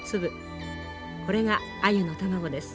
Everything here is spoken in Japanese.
これがアユの卵です。